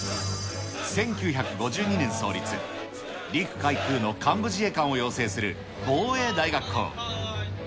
１９５２年創立、陸海空の幹部自衛官を養成する防衛大学校。